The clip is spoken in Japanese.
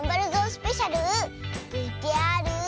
スペシャルＶＴＲ。